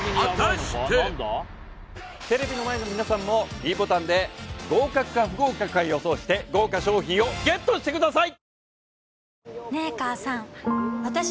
テレビの前の皆さんもｄボタンで合格か不合格か予想して豪華賞品をＧＥＴしてください！